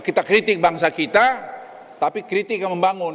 kita kritik bangsa kita tapi kritik yang membangun